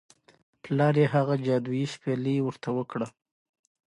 پلار یې هغه جادويي شپیلۍ ورته ورکړه.